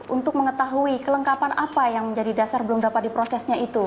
untuk mengetahui kelengkapan apa yang menjadi dasar belum dapat diprosesnya itu